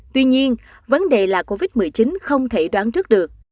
tuy nhiên vấn đề là covid một mươi chín không thể đoán trước được